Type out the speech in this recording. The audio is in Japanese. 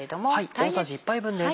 大さじ１杯分です。